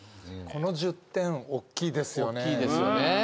この１０点おっきいですよね。